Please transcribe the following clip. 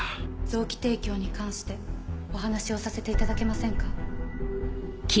臓器提供に関してお話をさせて頂けませんか？